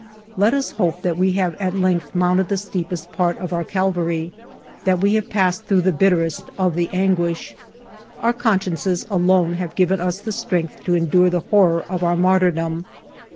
Let us hope that we have at length mounted the steepest part of our 12 178 FIVE YEARS OF MY LIFE Calvary ; that we have passed through the bitter est of the anguish. Our consciences alone have given us the strength to endure the horror of our martyrdom.